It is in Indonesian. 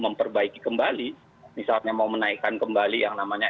memperbaiki kembali misalnya mau menaikkan kembali yang namanya